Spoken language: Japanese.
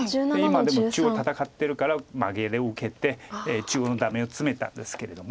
今でも中央戦ってるからマゲで受けて中央のダメをツメたんですけれども。